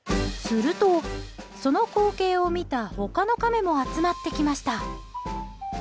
すると、その光景を見た他のカメも集まってきました。